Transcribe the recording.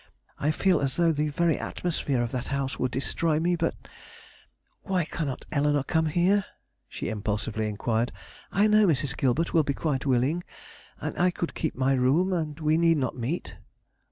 "I feel as though the very atmosphere of that house would destroy me; but why cannot Eleanore come here?" she impulsively inquired. "I know Mrs. Gilbert will be quite willing, and I could keep my room, and we need not meet."